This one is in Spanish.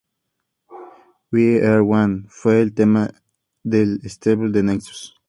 We Are One fue el tema del stable The Nexus.